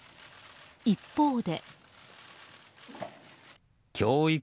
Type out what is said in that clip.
一方で。